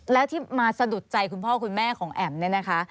แล้วที่มาสะดุดใจคุณพ่อคุณแม่ของแอ๋มเนี่ยนะคะ